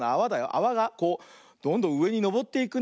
あわがこうどんどんうえにのぼっていくね。